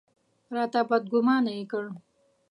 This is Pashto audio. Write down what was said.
راته بدګومانه یې کړ.